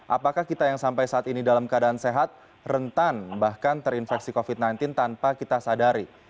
apakah kita yang sampai saat ini dalam keadaan sehat rentan bahkan terinfeksi covid sembilan belas tanpa kita sadari